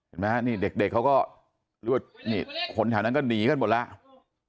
เห็นไหมฮะนี่เด็กเขาก็คนแถวนั้นก็หนีกันหมดแล้ว